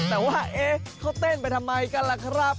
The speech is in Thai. แต่ว่าเขาเต้นไปทำไมกันล่ะครับ